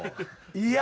いや。